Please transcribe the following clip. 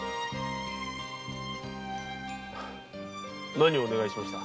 何をお願いしました？